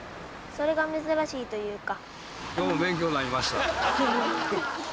それが珍しいというか。